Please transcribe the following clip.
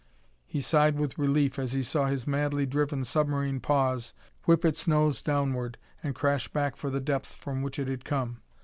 He sighed with relief as he saw his madly driven submarine pause, whip its nose downward, and crash back for the depths from which it had come.